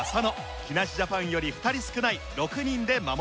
木梨ジャパンより２人少ない６人で守ります。